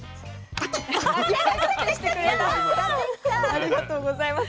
ありがとうございます。